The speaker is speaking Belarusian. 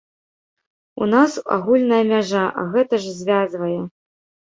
У нас агульная мяжа, а гэта ж звязвае!